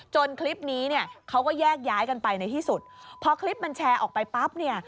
คลิปนี้เนี่ยเขาก็แยกย้ายกันไปในที่สุดพอคลิปมันแชร์ออกไปปั๊บเนี่ย